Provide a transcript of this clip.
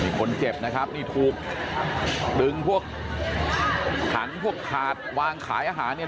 คนเจ็บนะครับนี่ถูกดึงพวกถังพวกถาดวางขายอาหารเนี่ย